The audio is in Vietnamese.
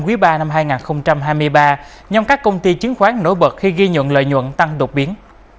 quý ba năm hai nghìn hai mươi ba nhóm các công ty chứng khoán nổi bật khi ghi nhận lợi nhuận tăng đột biến